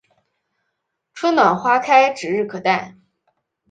春暖花开指日可待